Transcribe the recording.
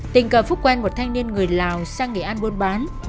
tình cờ phúc quen một thanh niên người lào sang nghỉ ăn buôn bán